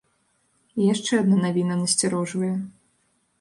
І яшчэ адна навіна насцярожвае.